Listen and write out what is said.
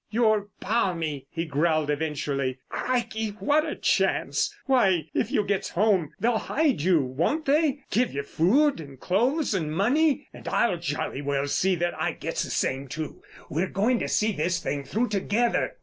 "You're balmy!" he growled eventually. "Crikey, what a chance! Why, if you gets home, they'll hide you, won't they—give you food and clothes and money? And I'll jolly well see that I gets the same too. We're going to see this thing through together."